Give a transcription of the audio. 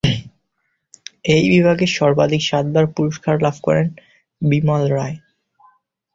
এই বিভাগে সর্বাধিক সাতবার পুরস্কার লাভ করেন বিমল রায়।